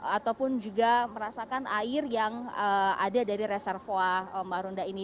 ataupun juga merasakan air yang ada dari reservoa marunda ini